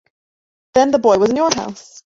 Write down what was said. Then the boy was in your house!